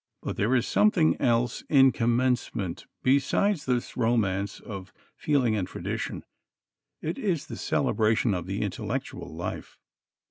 But there is something else in Commencement besides this romance of feeling and tradition. It is the celebration of the intellectual life.